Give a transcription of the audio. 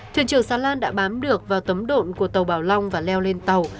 thuyền trường xà lan đã bám được vào tấm độn của tàu bảo long và leo lên tàu